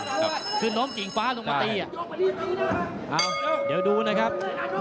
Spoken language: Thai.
คือโน้มกิ่งฟ้าลงมาตีอ่ะอ้าวเดี๋ยวดูนะครับ